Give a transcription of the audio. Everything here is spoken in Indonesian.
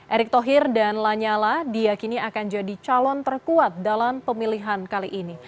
erick thohir dan lanyala diakini akan jadi calon terkuat dalam pemilihan kali ini